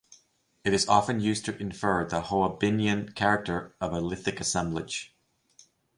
It is often used to infer the Hoabinhian character of a lithic assemblage.